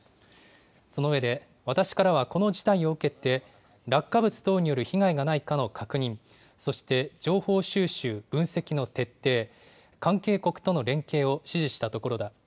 そのうえで私からはこの事態を受けて、落下物等による被害がないかの確認、そして情報収集、分析の徹底、関係国との連携を指示したところだ。